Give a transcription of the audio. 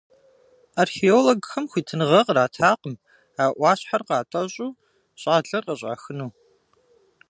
Археологхэм хуитыныгъэ къратакъым а Ӏуащхьэр къатӀэщӀу, щӀэлъыр къыщӀахыну.